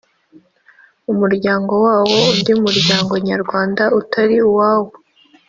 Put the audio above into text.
umuryango wawo undi muryango nyarwanda utari uwawo